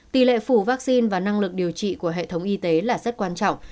tỷ lệ phủ vaccine và năng lực điều trị của hệ thống y tế là rất quan trọng